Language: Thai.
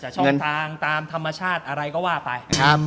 ช่องทางตามธรรมชาติอะไรก็ว่าไป